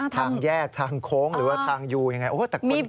ทางแยกทางโค้งหรือว่าทางยูยังไง